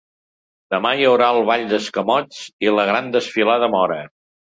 Demà hi haurà el ball d’escamots i la gran desfilada mora.